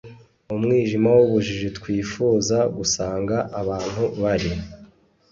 umwijima w’ubujiji twifuza gusanga abantu bari